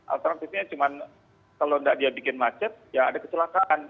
alternatifnya cuma kalau tidak dia bikin macet ya ada kecelakaan